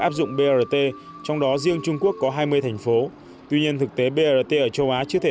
áp dụng brt trong đó riêng trung quốc có hai mươi thành phố tuy nhiên thực tế brt ở châu á chưa thể